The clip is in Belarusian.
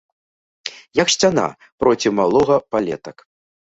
Як сцяна, проці малога палетак.